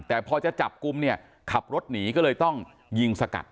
แต่พอจะจับกลุ่มเนี่ยขับรถหนีก็เลยต้องยิงสกัด